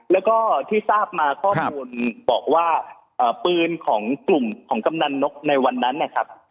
แล้วก็ที่ทราบมาข้อมูลบอกว่าปืนของกลุ่มของกำนันนกในวันนั้นนะครับ